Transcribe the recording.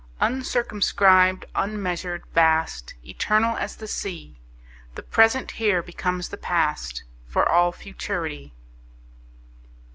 Uncircumscribed, unmeasured, vast, Eternal as the Sea, The present here becomes the past, For all futurity.